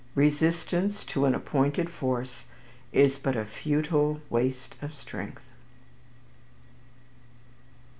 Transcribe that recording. Resistance to an appointed force is but a futile waste of strength.